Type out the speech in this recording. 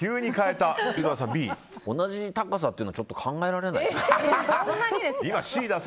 同じ高さっていうのは考えられないな。